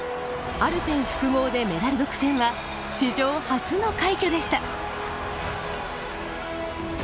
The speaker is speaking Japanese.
アルペン複合でメダル独占は史上初の快挙でした。